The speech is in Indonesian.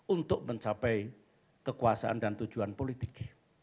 untuk mencapai kekuasaan dan tujuan politik